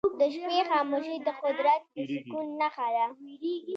د شپې خاموشي د قدرت د سکون نښه ده.